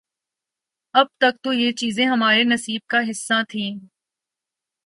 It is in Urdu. اب تک تو یہ چیزیں ہمارے نصیب کا حصہ تھیں۔